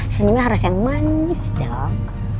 senyumnya harus yang manis dong